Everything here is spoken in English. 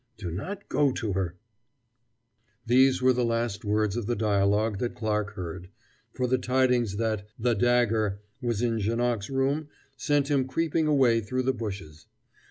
Do not go to her " These were the last words of the dialogue that Clarke heard, for the tidings that "the dagger" was in Janoc's room sent him creeping away through the bushes.